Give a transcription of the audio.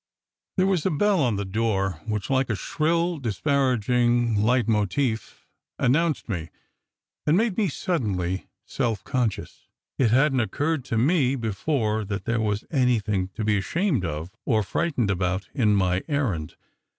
There was a bell on the door which, like a shrill, disparag ing hit motif, announced me, and made me suddenly self conscious. It hadn t occurred to me before that there was anything to be ashamed of or frightened about in my errand.